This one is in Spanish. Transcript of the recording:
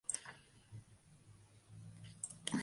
Su nombre aparece por primera vez en el "Taittirīya-āraṇyaka".